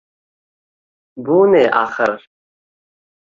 Бу не ахир –